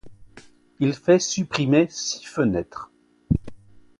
Il fait supprimer six fenêtres.